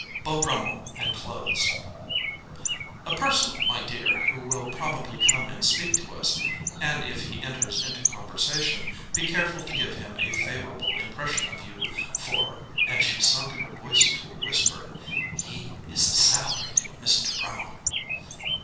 BEAU BRUMMELL AND CLOTHES _'A person, my dear, who will probably come and speak to us; and if he enters into conversation, be careful to give him a favourable impression of you, for,' and she sunk her voice to a whisper, 'he is the celebrated Mr. Brummell.'